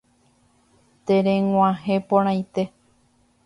Tereg̃uahẽporãite.